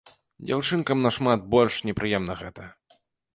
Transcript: Дзяўчынкам нашмат больш непрыемна гэта.